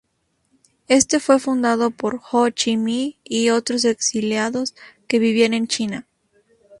Éste fue fundado por Ho Chi Minh y otros exiliados que vivían en China.